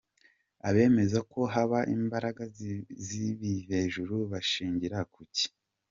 Abemeza ko haba imbaraga z’ibivejuru bashingira kuki?.